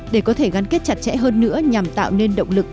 để có thể gắn kết chặt chẽ hơn nữa nhằm tạo nên động lực